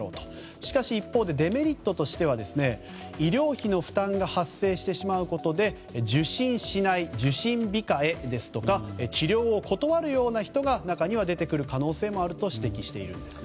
しかし、一方でデメリットとしては医療費の負担が発生してしまうことで受診しない受診控えですとか治療を断るような人が中にも出てくる可能性があると指摘しているんですね。